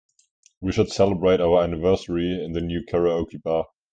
We should celebrate our anniversary in the new karaoke bar.